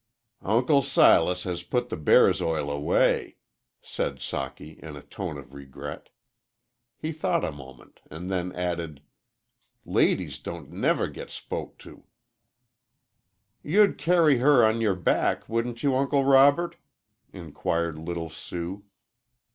"Uncle Silas has put the bear's oil away," said Socky, in a tone of regret. He thought a moment, and then added, "Ladies don't never git spoke to." "You'd carry her on your back wouldn't you, Uncle Robert?" inquired little Sue.